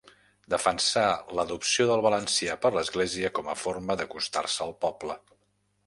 Defensà l'adopció del valencià per l'església com a forma d'acostar-se al poble.